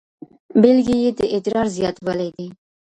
بیلګې یې د ادرار زیاتوالی دی.